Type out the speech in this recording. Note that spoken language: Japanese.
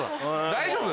大丈夫？